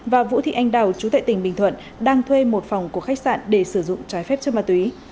và vũ thị anh đào chú tại tỉnh bình thuận đang thuê một phòng của khách sạn để sử dụng trái phép chất ma túy